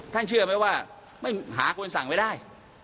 เชื่อไหมว่าหาคนสั่งไม่ได้